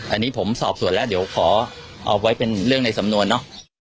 อันนี้ผมสอบส่วนแล้วเดี๋ยวขอเอาไว้เป็นเรื่องในสำนวนเนอะ